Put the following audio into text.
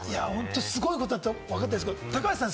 すごいことだとわかってるんですけど、高橋さん